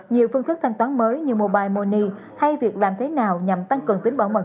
nhiều phương thức thanh toán mới như mobile money hay việc làm thế nào nhằm tăng cường tính bảo mật